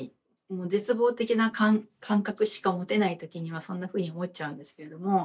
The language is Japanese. もう絶望的な感覚しか持てない時にはそんなふうに思っちゃうんですけれども。